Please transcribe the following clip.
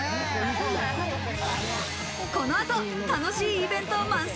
この後、楽しいイベント満載。